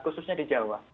khususnya di jawa